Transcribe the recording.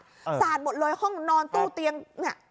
สาดหมดเลยห้องนอนตู้เตียงเนี่ย